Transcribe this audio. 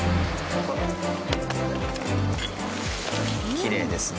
きれいですね。